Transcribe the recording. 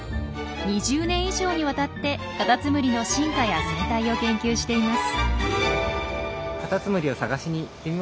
２０年以上にわたってカタツムリの進化や生態を研究しています。